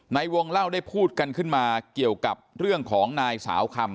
ในวงเล่าได้พูดกันขึ้นมาเกี่ยวกับเรื่องของนายสาวคำ